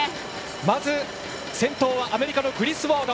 まず先頭はアメリカのグリスウォード。